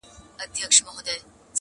د ژوند له ټاله به لوېدلی یمه-